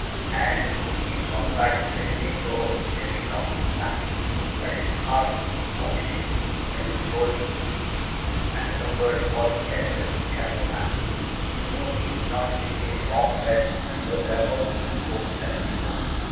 And he swung back the heavy door with a resounding clang. But his heart smote him when he told his beads, and remembered what he had said to Carloman. He knew he could not sleep in his warm bed when Lothaire was in that cold gusty room.